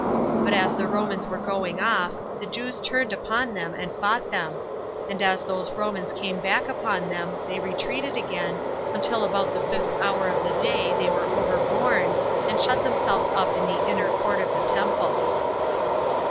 But as the Romans were going off, the Jews turned upon them, and fought them; and as those Romans came back upon them, they retreated again, until about the fifth hour of the day they were overborne, and shut themselves up in the inner [court of the] temple.